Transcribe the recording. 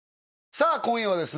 さあ今夜はですね